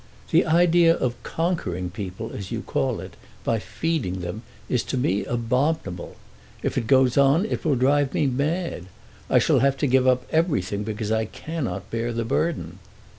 The idea of conquering people, as you call it, by feeding them, is to me abominable. If it goes on it will drive me mad. I shall have to give up everything, because I cannot bear the burden."